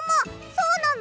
そうなの！？